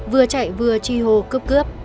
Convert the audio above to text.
vừa chạy vừa chi hô cướp cướp